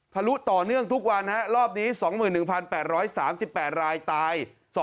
ลุต่อเนื่องทุกวันรอบนี้๒๑๘๓๘รายตาย